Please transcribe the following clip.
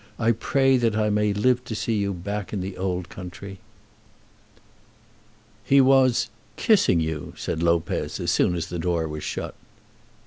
"I pray that I may live to see you back in the old country." "He was kissing you," said Lopez, as soon as the door was shut.